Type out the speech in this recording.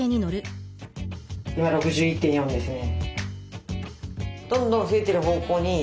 今６１．４ですね。